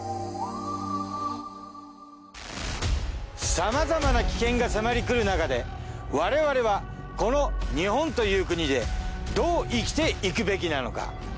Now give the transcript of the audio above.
さまざまな危険が迫り来るなかで我々はこの日本という国でどう生きていくべきなのか。